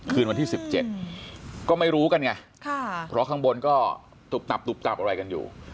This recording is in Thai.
ขืนวันที่๑๗ก็ไม่รู้ขนใหกันไงเพราะข้างบนก็ตุบอะไรกันอยู่